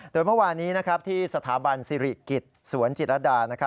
โดยเมื่อวานี้ที่สถาบันสิริกิจสวนจิตรดา